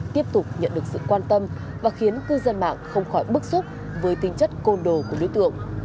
tiếp tục nhận được sự quan tâm và khiến cư dân mạng không khỏi bức xúc với tinh chất côn đồ của đối tượng